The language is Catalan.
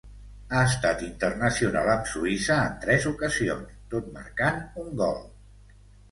Ha estat internacional amb Suïssa en tres ocasions, tot marcant un gol.